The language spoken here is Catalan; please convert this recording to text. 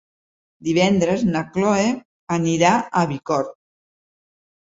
Divendres na Chloé anirà a Bicorb.